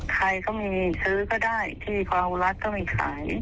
ใครเขามีซื้อก็ได้ที่พอเวอรัสเขาไม่ขาย